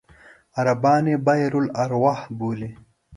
عربان یې بئر الأرواح بولي.